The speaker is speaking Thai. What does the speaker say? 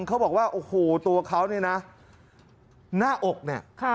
เขาบอกว่าโอ้โหตัวเขาเนี่ยนะหน้าอกเนี่ย